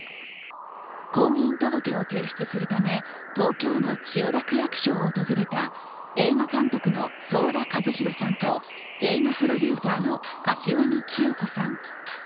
婚姻届を提出するため東京の千代田区役所を訪れた映画監督の想田和弘さんと映画プロデューサーの柏木規与子さん。